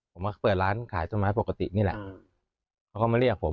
ผมมาเปิดร้านขายต้นไม้ปกตินี่แหละเขาก็มาเรียกผม